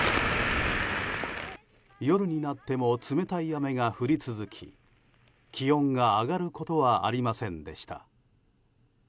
夜になっても冷たい雨が降り続き気温が上がることはありませんでした。